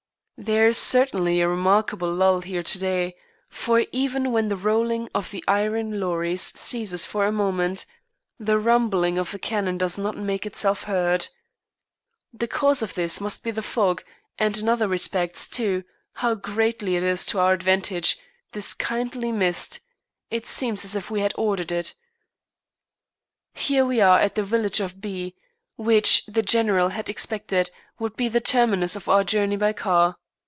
There is certainly a remarkable lull here to day, for even when the rolling of the iron lorries ceases for a moment, the rumbling of the cannon does not make itself heard. The cause of this must be the fog and in other respects, too, how greatly it is to our advantage, this kindly mist; it seems as if we had ordered it. Here we are at the village of B , which, the General had expected, would be the terminus of our journey by car.